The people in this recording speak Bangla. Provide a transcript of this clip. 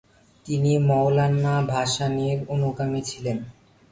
তিনি মওলানা ভাসানীর অনুগামী ছিলেন।